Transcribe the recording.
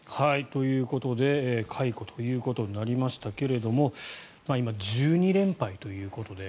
ということで解雇ということになりましたが今、１２連敗ということで。